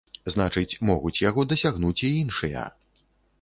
Значыць, могуць яго дасягнуць і іншыя.